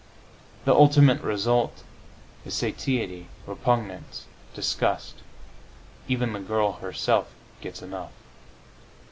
The ultimate result is satiety, repugnance, disgust; even the girl herself gets enough.